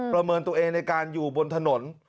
ประเมินตัวเองในการอยู่บนถนน